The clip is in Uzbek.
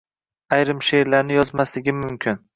Ayrim she’rlarni yozmasligim mumkin.